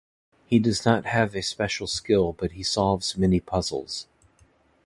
He does not have a special skill but he solves many puzzles.